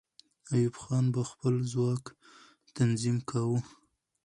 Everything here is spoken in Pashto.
ایوب خان به خپل ځواک تنظیم کاوه.